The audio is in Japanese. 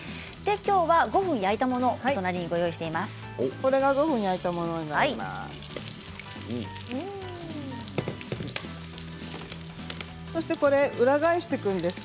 きょうは５分焼いたものをお隣に用意しています。